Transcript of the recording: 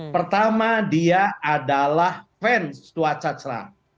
pertama dia adalah fans tua cacera